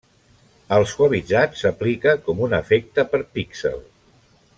El suavitzat s'aplica com un efecte per píxel.